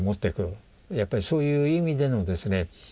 やっぱりそういう意味でのですね